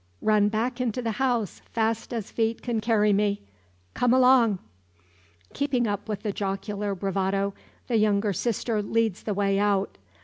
"Run back into the house fast as feet can carry me. Come along!" Keeping up the jocular bravado, the younger sister leads the way out.